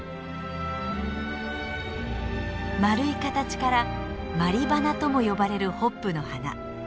丸い形から「鞠花」とも呼ばれるホップの花。